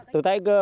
từ thái cơ và